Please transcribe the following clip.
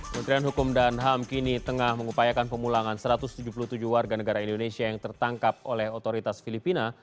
menterian hukum dan ham kini tengah mengupayakan pemulangan satu ratus tujuh puluh tujuh warga negara indonesia yang tertangkap oleh otoritas filipina